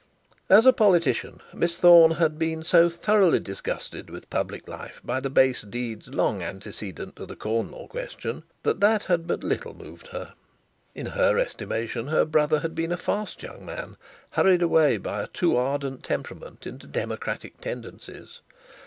As a politician, Miss Thorne had been so thoroughly disgusted with public life by base deeds long antecedent to the Corn Law question, that that had but little moved her. In her estimation her brother had been a fast young man, hurried away by a too ardent temperament into democratic tendencies.